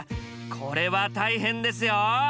これは大変ですよ。